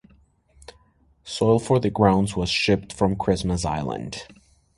Soil for the grounds was shipped from Christmas Island.